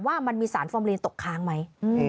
ว่ามันมีสารฟอร์มลีนตกค้างไหม